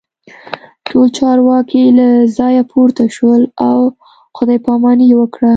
ټول چارواکي له ځایه پورته شول او خداي پاماني یې وکړه